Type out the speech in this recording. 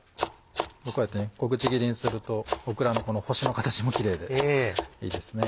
こうやって小口切りにするとオクラのこの星の形もキレイでいいですね。